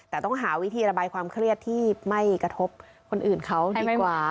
แต่ต้องหาวิธีระบายความเครียดที่ไม่กระทบคนอื่นเขาดีกว่า